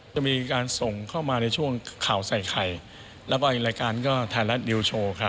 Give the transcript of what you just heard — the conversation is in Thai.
จะมีการส่งเข้ามาในช่วงข่าวใส่ไข่แล้วก็อีกรายการก็ไทยรัฐนิวโชว์ค่ะ